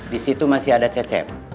di situ masih ada cecep